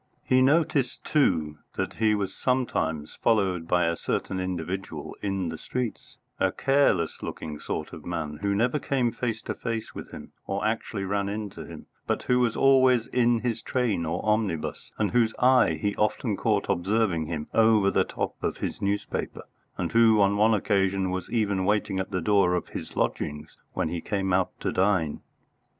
He noticed, too, that he was sometimes followed by a certain individual in the streets, a careless looking sort of man, who never came face to face with him, or actually ran into him, but who was always in his train or omnibus, and whose eye he often caught observing him over the top of his newspaper, and who on one occasion was even waiting at the door of his lodgings when he came out to dine.